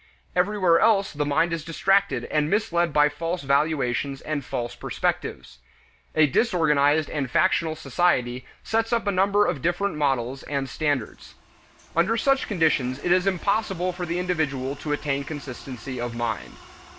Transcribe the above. Everywhere else the mind is distracted and misled by false valuations and false perspectives. A disorganized and factional society sets up a number of different models and standards. Under such conditions it is impossible for the individual to attain consistency of mind.